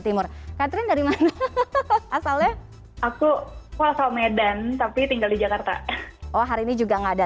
timur catherine dari mana asalnya aku asal medan tapi tinggal di jakarta oh hari ini juga nggak ada